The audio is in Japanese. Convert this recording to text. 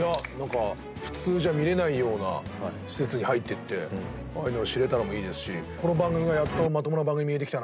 普通じゃ見れないような施設に入っていってああいうのを知れたのもいいですしこの番組がやっと。